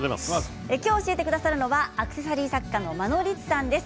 今日、教えてくださるのはアクセサリー作家の眞野りつさんです。